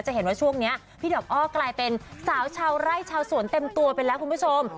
เห็นว่าช่วงนี้พี่ดอกอ้อกลายเป็นสาวชาวไร่ชาวสวนเต็มตัวไปแล้วคุณผู้ชม